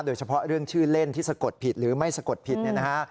โดยเฉพาะเรื่องชื่อเล่นที่สะกดผิดหรือไม่สะกดผิดเนี่ยนะฮะ